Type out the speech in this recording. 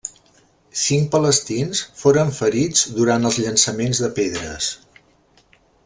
Cinc palestins foren ferits durant els llançaments de pedres.